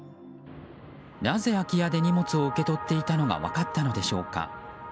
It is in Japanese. なぜ、空き家で荷物を受け取っていたのが分かったのでしょうか。